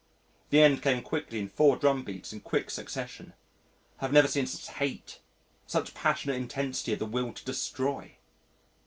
The end came quickly in four drum beats in quick succession. I have never seen such hate, such passionate intensity of the will to destroy....